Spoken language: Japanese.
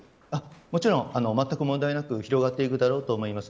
もちろん、まったく問題なく広がっていくだろうと思います。